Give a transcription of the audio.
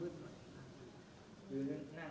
พวกเขาถ่ายมันตรงกลาง